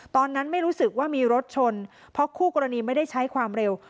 ตอนนั้นไม่รู้สึกว่ามีรถชนเพราะคู่กรณีไม่ได้ใช้ความเร็ว